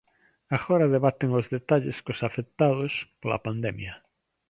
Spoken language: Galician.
Agora debaten os detalles cos afectados pola pandemia.